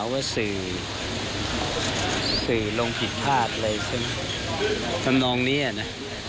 ว่าสื่อสื่อลงผิดพลาดอะไรใช่ไหมทำนองนี้นะ